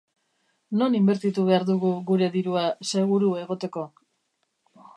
Non inbertitu behar dugu gure dirua seguru egoteko?